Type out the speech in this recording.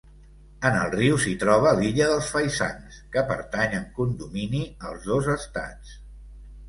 En el riu s'hi troba l'Illa dels Faisans, que pertany en condomini als dos estats.